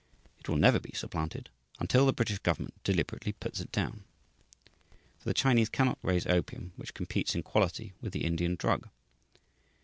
It will never be supplanted until the British government deliberately puts it down. For the Chinese cannot raise opium which competes in quality with the Indian drug.